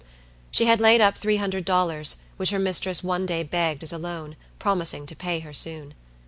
She had laid up three hundred dollars, which her mistress one day begged as a loan, promising to pay her soon.